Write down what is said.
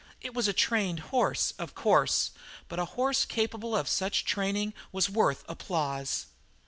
It was a trained horse, of course, but a horse capable of such training was worth applause.